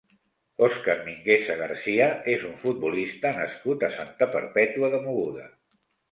Òscar Mingueza Garcia és un futbolista nascut a Santa Perpètua de Mogoda.